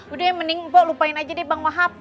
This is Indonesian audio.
udah mending mpo lupain aja deh bang wahab